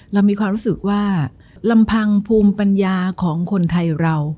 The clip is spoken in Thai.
เรามีความรู้สึกว่าลำพังภูมิปัญญาของคนไทยเรา